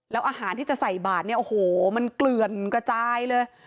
แล้วอาหารที่จะใส่บาทเนี่ยโอ้โหมันเกลื่อนกระจายเลย